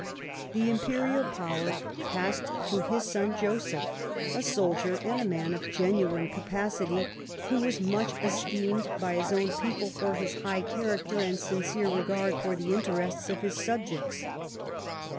The imperial power passed to his son Joseph, a soldier and a man of genuine capacity, who was much esteemed by his own people for his high character and sincere regard for the interests of his sub jects.